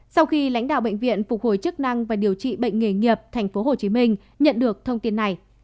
sau khi lãnh đạo bệnh viện phục hồi chức năng và điều trị bệnh nghề nghiệp tp hcm nhận được thông tin này